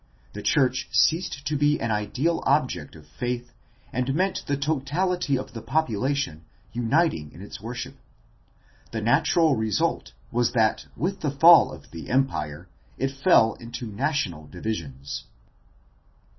The church ceased to be an ideal object of faith and meant the totality of the population uniting in its worship. The natural result was that with the fall of the Empire it fell into national divisions.